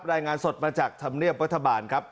รายงานสดมาจากธรรมเนียบรัฐบาลครับ